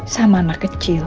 sama anak kecil